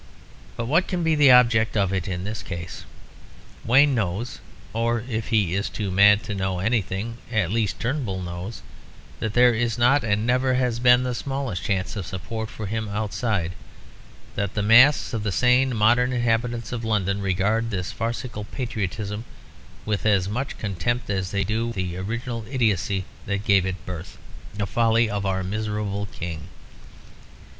But what can be the object of it in this case? Wayne knows (or if he is too mad to know anything, at least Turnbull knows) that there is not, and never has been, the smallest chance of support for him outside; that the mass of the sane modern inhabitants of London regard his farcical patriotism with as much contempt as they do the original idiotcy that gave it birth the folly of our miserable King.